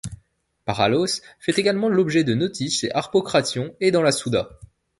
Paralos fait également l'objet de notices chez Harpocration et dans la Souda.